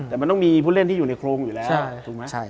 แต่มันต้องมีผู้เล่นที่อยู่ในโครงอยู่แล้วถูกไหม